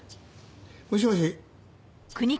もしもし？